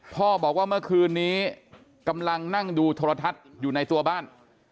พ่อบอกว่าเมื่อคืนนี้กำลังนั่งดูโทรทัศน์อยู่ในตัวบ้าน